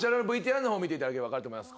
見ていただければ分かると思います。